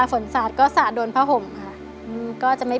ทั้งในเรื่องของการทำงานเคยทำนานแล้วเกิดปัญหาน้อย